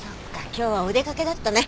今日はお出掛けだったね。